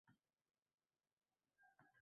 Mobil ilova juda zoʻr ishlab chiqilgan.